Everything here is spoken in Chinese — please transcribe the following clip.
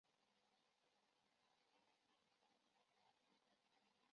球队的主体育场为。